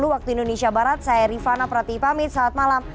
waktu indonesia barat saya rifana prati pamit selamat malam